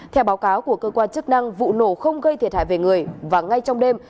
theo báo cáo của cơ quan chức năng vụ nổ không gây thiệt hại về người và ngay trong đêm